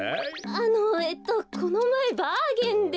あのえっとこのまえバーゲンで。